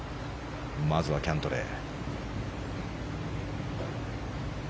まずはキャントレー。